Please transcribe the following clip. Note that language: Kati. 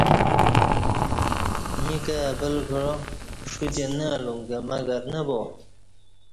ییں کائی ابل کعا پݜوتے نہ الُم کہ مگر نہ با